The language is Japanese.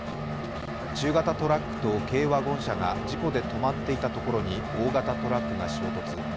中型トラックと軽ワゴン車が事故で止まっていたところに大型トラックが衝突。